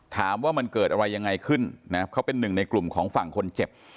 ถามว่ามันเกิดอะไรยังไงขึ้นนะเขาเป็นหนึ่งในกลุ่มของฝั่งคนเจ็บ